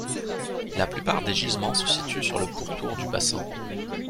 La plupart des gisements se situent sur le pourtour du bassin.